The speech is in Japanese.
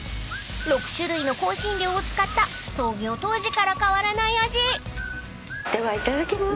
［６種類の香辛料を使った創業当時から変わらない味］ではいただきます。